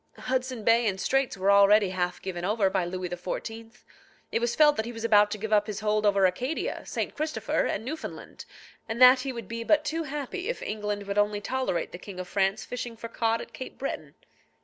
Hudson Bay and Straits were already half given over by Louis XIV. It was felt that he was about to give up his hold over Acadia, St. Christopher, and Newfoundland, and that he would be but too happy if England would only tolerate the King of France fishing for cod at Cape Breton.